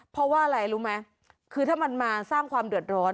เพราะว่าอะไรรู้ไหมคือถ้ามันมาสร้างความเดือดร้อน